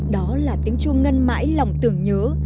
đó là tiếng chuông ngân mãi lòng tưởng nhớ